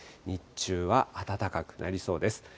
日中は暖かくなりそうです。